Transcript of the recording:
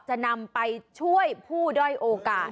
จะนำไปช่วยผู้ด้อยโอกาส